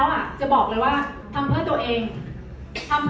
อ๋อแต่มีอีกอย่างนึงค่ะ